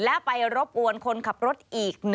แล้วไปรบกวนคนขับรถอีก